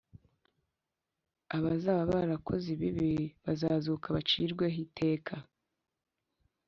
abazaba barakoze ibibi bazazuka bacirweho iteka